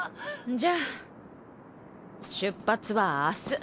じゃあ出発は明日。